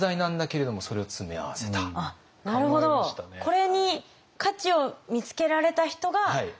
これに価値を見つけられた人が勝ちだと。